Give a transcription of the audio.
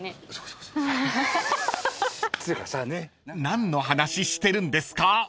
［何の話してるんですか？］